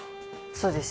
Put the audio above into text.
そうです。